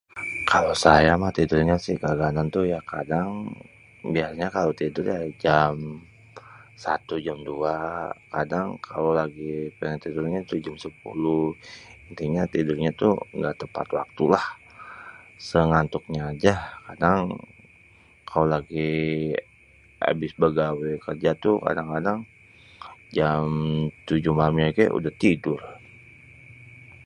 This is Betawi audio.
Kalo saya mah si tidurnya si kagak nentu ya kadang biasanya kalo tidur ya jam 1, jam 2, kadang kalo lagi péngén tidurnyé jém 10, intinya tidur tuh, nggak tepat waktu lah. Séngantuknya ajah. Kadang, kalo lagi abis bégadang kalo abis bégawé kerja tuh kadang-kadang jam 7 malêmnyé gé udeh tidur.